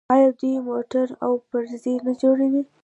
آیا دوی موټرې او پرزې نه جوړوي؟